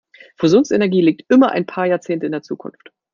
Fusionsenergie liegt immer ein paar Jahrzehnte in der Zukunft.